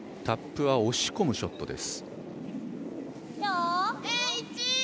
タップは押し込むショット。